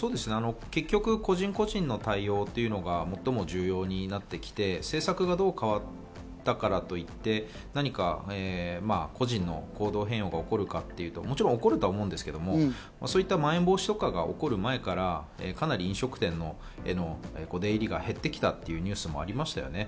結局、個人個人の対応というのが最も重要になってきて政策がどう変わったからといって、何か個人の行動変容が起こるかというともちろん起こると思うんですけど、まん延防止とかが起こる前からかなり飲食店の出入りが減ってきたというニュースもありました。